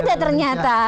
masih muda ternyata